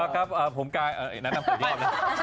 อ๋อครับเอ่อผมกายเอ่อนัดนำเกิดยอมนะ